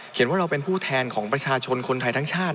เห็นว่าเราเป็นผู้แทนของประชาชนคนไทยทั้งชาติ